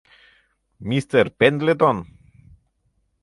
— Мистер Пендлетон?!